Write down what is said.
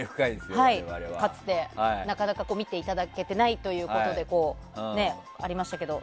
かつて、なかなか見ていただけてないということでありましたけど。